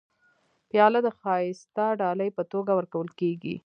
پیاله د ښایسته ډالۍ په توګه ورکول کېږي.